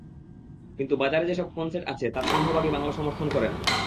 কিন্তু বাজারে যেসব ফোনসেট আছে, তার সিংহভাগই বাংলা সমর্থন করে না।